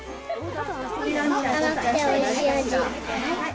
甘くておいしい味。